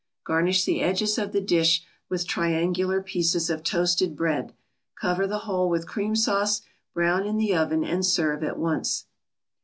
Garnish the edges of the dish with triangular pieces of toasted bread, cover the whole with cream sauce, brown in the oven, and serve at once.